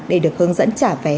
để được hướng dẫn trả vé